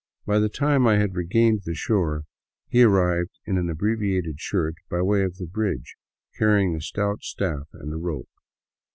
By the time I had regained the shore, he arrived in abbreviated shirt by way of the " bridge," carrying a stout staff and a rope.